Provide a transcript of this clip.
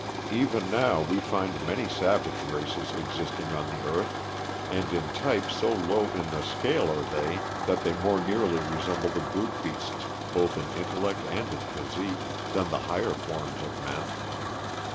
Even now we find many savage races existing on the earth, and in type so low in the scale are they that they more nearly resemble the brute beasts, both in intellect and in physique, than the higher forms of men.